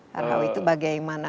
karena itu bagaimana